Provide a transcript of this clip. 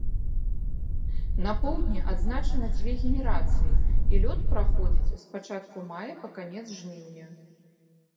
На поўдні адзначана дзве генерацыі і лёт праходзіць з пачатку мая па канец жніўня.